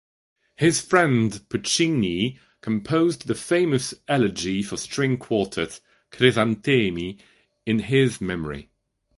His friend Puccini composed the famous elegy for string quartet "Crisantemi" in his memory.